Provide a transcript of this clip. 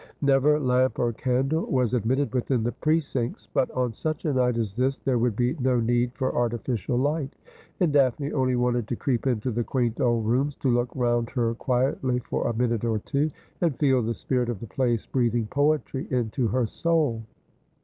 Never lamp or candle was admitted within the precincts, but on such a night as this there would be no need for artificial light ; and Daphne only wanted to creep into the quaint old 'Ay Fleth the Time, it wol no Man Abide.' 267 rooms, to look round her quietly for a minute or two, and feel the spirit of the place breathing poetry into her soul.